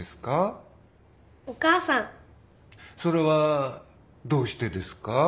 それはどうしてですか？